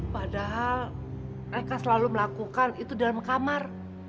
padahal mereka selalu melakukan itu dalam kamar